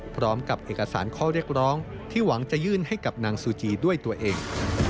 พร้อมกับเอกสารข้อเรียกร้องที่หวังจะยื่นให้กับนางซูจีด้วยตัวเอง